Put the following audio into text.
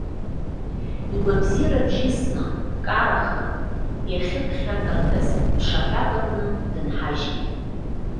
Игәабзиара бжьысны, дкараха, иахьыԥхьакырҭаз ԥшаҳәак аҟны дынҳажьит.